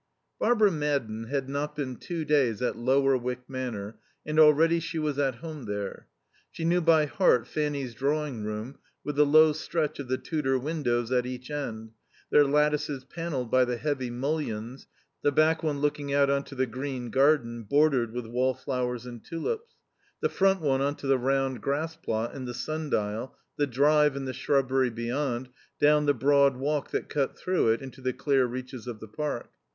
Barbara Madden had not been two days at Lower Wyck Manor, and already she was at home there; she knew by heart Fanny's drawing room with the low stretch of the Tudor windows at each end, their lattices panelled by the heavy mullions, the back one looking out on to the green garden bordered with wallflowers and tulips; the front one on to the round grass plot and the sundial, the drive and the shrubbery beyond, down the broad walk that cut through it into the clear reaches of the park.